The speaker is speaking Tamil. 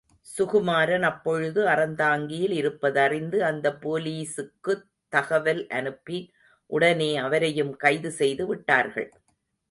சுகுமாரன் அப்பொழுது அறந்தாங்கியில் இருப்பதறிந்து, அந்த போலீஸுக்குத் தகவல் அனுப்பி உடனே அவரையும் கைது செய்து விட்டார்கள்.